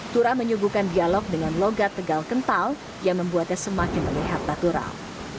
turah menyuguhkan dialog dengan logat tegal kental yang membuatnya semakin terlihat natural